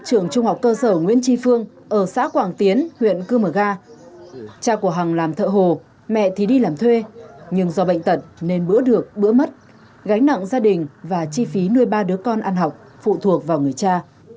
trường trung học cơ sở nguyễn tri phương ở xã quảng tiến huyện cư mờ ga cha của hằng làm thợ hồ mẹ thì đi làm thuê nhưng do bệnh tận nên bữa được bữa mất gánh nặng gia đình và chi phí nuôi ba đứa con ăn học phụ thuộc vào người cha